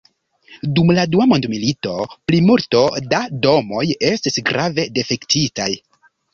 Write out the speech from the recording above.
Dum la dua mondmilito plimulto da domoj estis grave difektitaj.